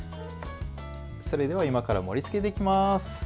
それでは今から盛りつけていきます。